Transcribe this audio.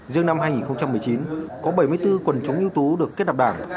dương năm hai nghìn một mươi chín có bảy mươi bốn quần chúng ưu tú được kết nạp đảng